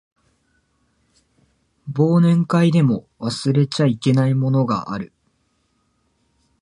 忘年会でも忘れちゃいけないものがある